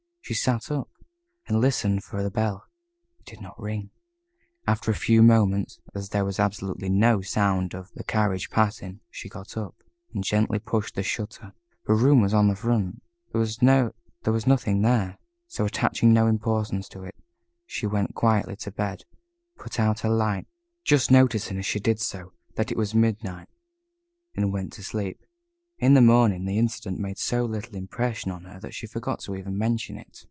She sat up, and listened for the bell. It did not ring. After a few moments as there was absolutely no sound of the carriage passing she got up, and gently pushed the shutter her room was on the front there was nothing there, so, attaching no importance to it, she went quietly to bed, put out her light, just noticing as she did so, that it was midnight, and went to sleep. In the morning, the incident made so little impression on her, that she forgot to even mention it.